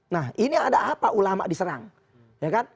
nah ini ada apa ulama diserang